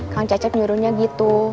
kang cacep nyuruhnya gitu